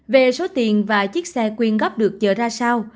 về số tiền và chiếc xe quyên góp được chờ ra sao